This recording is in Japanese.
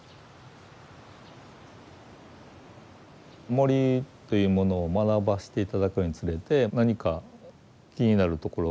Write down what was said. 森というものを学ばせて頂くにつれて何か気になるところがあって。